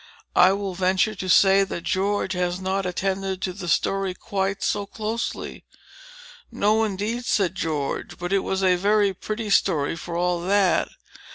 I will venture to say that George has not attended to the story quite so closely." "No indeed," said George, "but it was a very pretty story for all that.